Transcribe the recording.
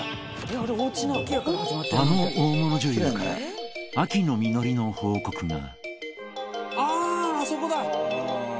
あの大物女優から秋の実りの報告が。